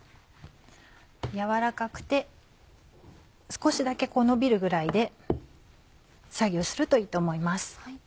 やわらかくて少しだけのびるぐらいで作業するといいと思います。